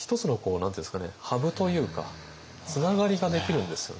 ハブというかつながりができるんですよね。